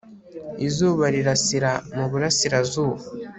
izuba rirasira mu burasirazuba